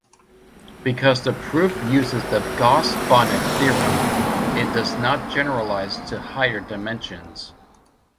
Because the proof uses the Gauss-Bonnet theorem, it does not generalize to higher dimensions.